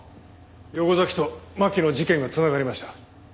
横崎と巻の事件が繋がりました。